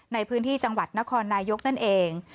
ในพื้นที่จังหวัดนครนายกนั่นเอง